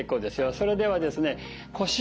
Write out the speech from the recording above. それではですね